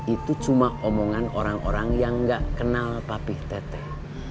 itu cuma omongan orang orang yang gak kenal papih teteh